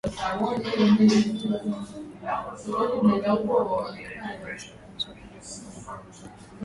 Kulingana na takwimu za Januari kutoka Benki Kuu ya Uganda, Kampala inasafirisha kwenda Kongo bidhaa za thamani ya dola milioni sabini